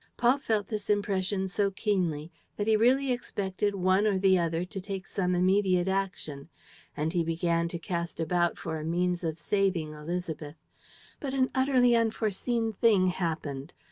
Paul felt this impression so keenly that he really expected one or the other to take some immediate action; and he began to cast about for a means of saving Élisabeth. But an utterly unforeseen thing happened.